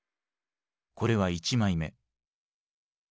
これは１枚目。